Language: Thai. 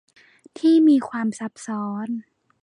ที่มีความซับซ้อน